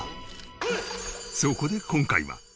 そこで今回は。